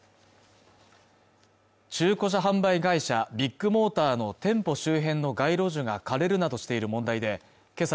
中古車販売会社ビッグモーターの店舗周辺の街路樹が枯れるなどしている問題でけさ